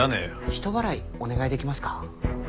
人払いお願いできますか？